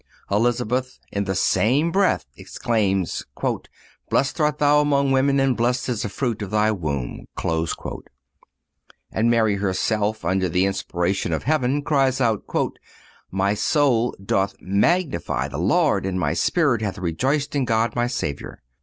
(256) Elizabeth, in the same breath, exclaims: "Blessed art thou among women, and blessed is the fruit of thy womb."(257) And Mary herself, under the inspiration of Heaven, cries out: "My soul doth magnify the Lord, and my spirit hath rejoiced in God my Savior....